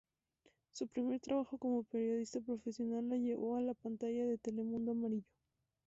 Su primer trabajo como periodista profesional la llevó a la pantalla de Telemundo Amarillo.